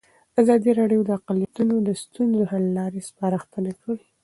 ازادي راډیو د اقلیتونه د ستونزو حل لارې سپارښتنې کړي.